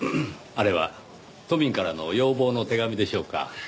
あれは都民からの要望の手紙でしょうか？